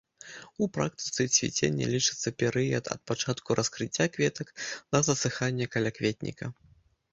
У практыцы цвіценне лічыцца перыяд ад пачатку раскрыцця кветак да засыхання калякветніка.